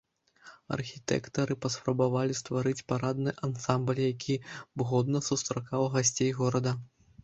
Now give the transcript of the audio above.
Архітэктары паспрабавалі стварыць парадны ансамбль, які б годна сустракаў гасцей горада.